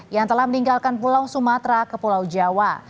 yang telah meninggalkan pulau sumatera ke pulau jawa